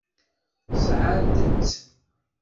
Sɛant-tt.